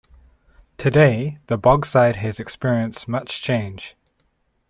Today the Bogside has experienced much change.